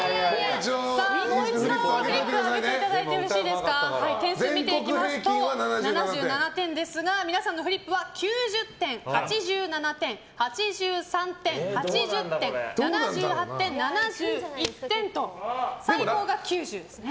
もう一度、フリップを上げていただきますと点数を見ていくと、７７点ですが皆さんのフリップは９０点、８７点、８３点８０点、７８点、７１点と最高が９０ですね。